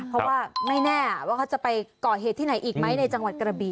เพราะว่าไม่แน่ว่าเขาจะไปก่อเหตุที่ไหนอีกไหมในจังหวัดกระบี